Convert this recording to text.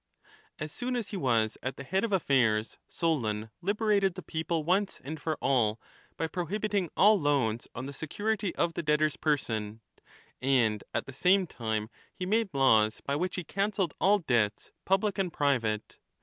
As soon as he was at the head of affairs, Solon liberated the people once and for all, by prohibiting all loans on the security of the debtor's person : and at the same time he made laws by which he cancelled all debts, public and private.